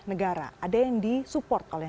negara ada yang disupport oleh